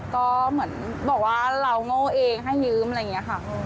ก็เหมือนบอกว่าเราโง่เองให้ยืมอะไรอย่างนี้ค่ะ